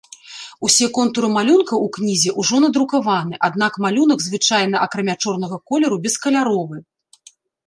Усе контуры малюнка ў кнізе ўжо надрукаваны, аднак малюнак, звычайна акрамя чорнага колеру, бескаляровы.